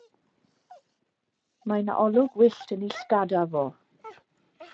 Mae 'na olwg wyllt yn 'i llgada fo.